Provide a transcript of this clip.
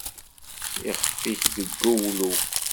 Ixef-ik deg uwlew.